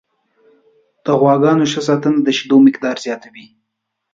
د غواګانو ښه ساتنه د شیدو مقدار زیاتوي.